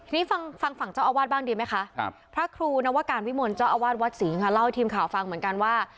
นี่ฟังฟังฝั่งเจ้าอาวาสบ้างดีไหมคะพระครูนวการวิมลเจ้าอาวาสวัดศรีค่ะเล่าให้ทีมข่าวฟังเหมือนกันว่า